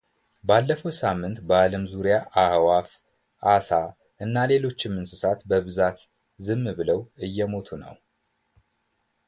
ባለፈው ሳምንት በአለም ዙሪያ አዕዋፍ፣ አሳ እና ሌሎችም እንስሳት በብዛት ዝም ብለው እየሞቱ ነው።